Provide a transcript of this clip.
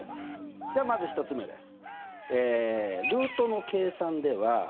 じゃまず１つ目です。